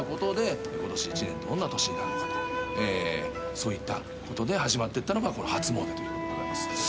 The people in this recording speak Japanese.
そういったことで始まってったのがこの初詣ということでございます。